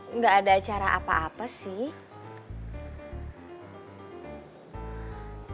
engga ada cara apa apa sih